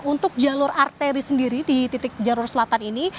untuk jalur arteri sendiri di titik jalur selatan ini